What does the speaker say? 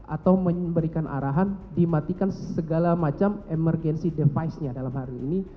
atau memberikan arahan dimatikan segala macam emergency device nya dalam hari ini